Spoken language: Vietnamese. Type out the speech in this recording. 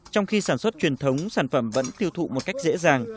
trong khi sản xuất truyền thống sản phẩm vẫn tiêu thụ một cách dễ dàng